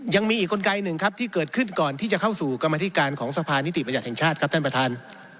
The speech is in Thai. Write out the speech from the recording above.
ยังมีอีกกลไกหนึ่งครับที่เกิดขึ้นก่อนที่จะเข้าสู่กรรมธิการของสภานิติบัญญัติแห่งชาติครับท่านประธาน